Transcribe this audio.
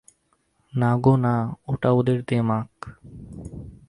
না গো না, ওটা ওঁদের দেমাক।